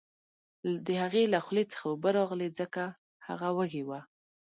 د هغې له خولې څخه اوبه راغلې ځکه هغه وږې وه